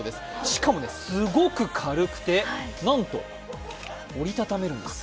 しかも、すごく軽くて、なんと折り畳めるんです。